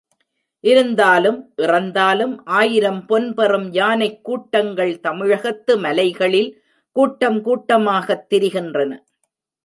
இருந்தாலும் இறந்தாலும் ஆயிரம் பொன் பெறும் யானைக் கூட்டங்கள் தமிழகத்து மலைகளில் கூட்டம் கூட்டமாகத் திரிகின்றன.